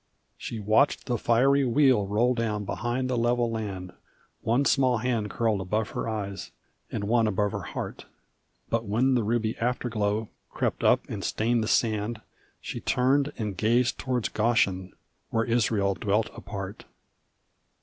She watched the fiery wheel roll down behind the level land, One small hand curled above her eyes, and one above her heart, But when the ruby afterglow crept up and stained the sand She turned and gazed toward Goshen, where Israel dwelt apart.